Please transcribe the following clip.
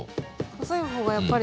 細い方がやっぱり。